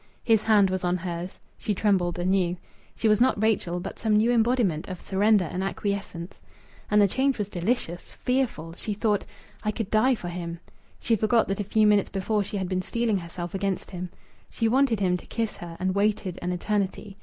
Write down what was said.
His hand was on hers. She trembled anew. She was not Rachel, but some new embodiment of surrender and acquiescence. And the change was delicious, fearful.... She thought: "I could die for him." She forgot that a few minutes before she had been steeling herself against him. She wanted him to kiss her, and waited an eternity.